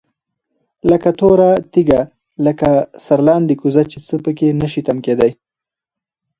لكه توره تيږه، لكه سرلاندي كوزه چي څه په كي نشي تم كېدى